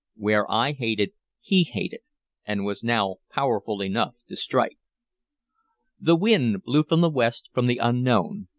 Where I hated he hated, and was now powerful enough to strike. The wind blew from the west, from the unknown.